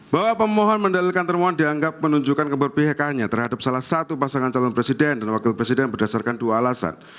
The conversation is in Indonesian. bahwa pemohon mendalilkan termohon dianggap menunjukkan keberpihakannya terhadap salah satu pasangan calon presiden dan wakil presiden berdasarkan dua alasan